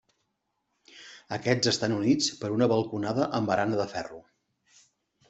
Aquests estan units per una balconada amb barana de ferro.